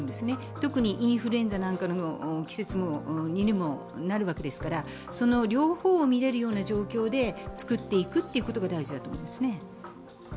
特にインフルエンザなんかの季節にもなるわけですからその両方を診られるような状況でつくっていくことが大事だと思います。